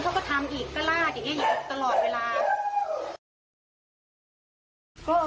เขาก็ทำอีกก็ลาดอย่างเงี้ยอย่างนี้ตลอดเวลา